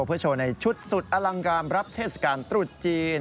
เพื่อโชว์ในชุดสุดอลังการรับเทศกาลตรุษจีน